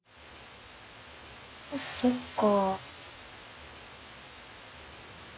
そっか。